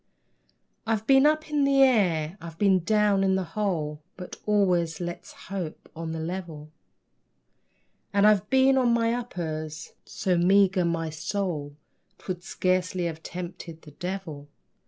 I've been up in the air, I've been down in the hole, (But always, let's hope, on the level,) And I've been on my uppers so meagre my sole 'Twould scarcely have tempted the devil!